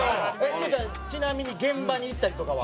すずちゃんちなみに現場に行ったりとかは？